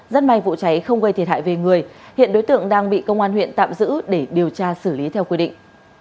rất may vụ cháy không gây thiệt hại về người hiện đối tượng đang bị công an huyện tạm giữ để điều tra xử lý theo quy định